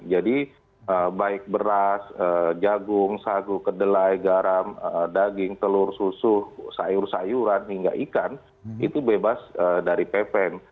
baik beras jagung sagu kedelai garam daging telur susu sayur sayuran hingga ikan itu bebas dari pepen